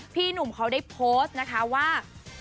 พี่หนุ่มเขาได้โพสต์นะคะว่า